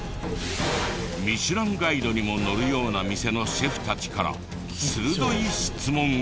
『ミシュランガイド』にも載るような店のシェフたちから鋭い質問が。